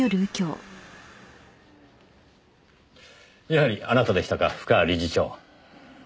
やはりあなたでしたか布川理事長。